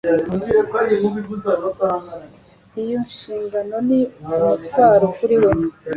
Iyo nshingano ni umutwaro kuri we.